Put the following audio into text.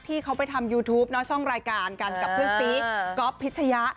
ที่เขาไปทำยูทูปช่องรายการกันกับเพื่อนซีก๊อฟพิชยะ